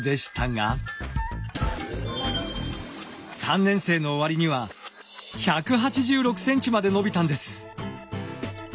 ３年生の終わりには１８６ｃｍまで伸びたんです。